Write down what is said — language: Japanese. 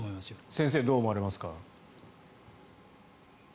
先生、どう思われますか？